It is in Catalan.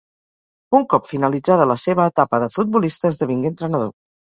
Un cop finalitzada la seva etapa de futbolista esdevingué entrenador.